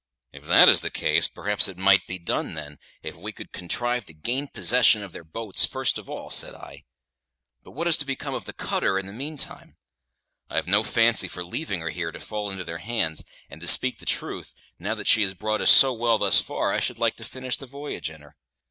"If that is the case, perhaps it might be done, then, if we could contrive to gain possession of their boats first of all," said I; "but what is to become of the cutter in the meantime? I've no fancy for leaving her here to fall into their hands; and, to speak the truth, now that she has brought us so well thus far, I should like to finish the voyage in her.